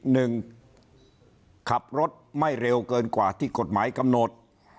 หนึ่งขับรถไม่เร็วเกินกว่าที่กฎหมายกำหนด